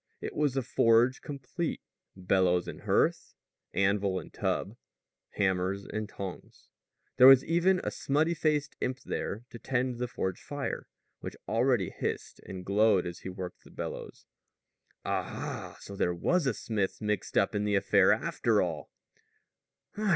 It was a forge complete bellows and hearth, anvil and tub, hammers and tongs. There was even a smutty faced imp there to tend the forge fire, which already hissed and glowed as he worked the bellows. "Aha! So there was a smith mixed up in the affair, after all!"